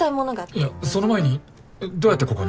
いやその前にどうやってここに？